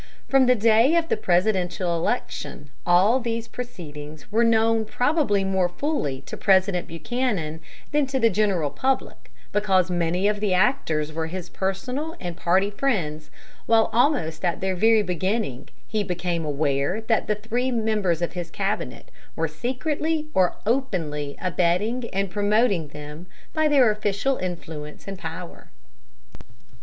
From the day of the presidential election all these proceedings were known probably more fully to President Buchanan than to the general public, because many of the actors were his personal and party friends; while almost at their very beginning he became aware that three members of his cabinet were secretly or openly abetting and promoting them by their official influence and power.